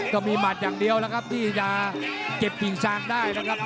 ก็มีหมัดอย่างเดียวแล้วครับที่จะเก็บกิ่งซางได้นะครับ